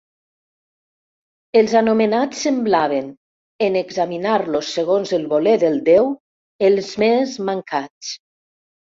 Els anomenats semblaven, en examinar-los segons el voler del déu, els més mancats.